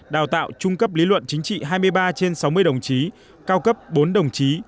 đào tạo trung cấp lý luận chính trị hai mươi ba trên sáu mươi đồng chí cao cấp bốn đồng chí